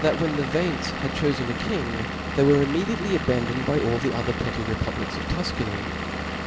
'3. when the Veientes had chofen a king, they were igv mediately abandoned by all the other petty repub lics of Tufcany.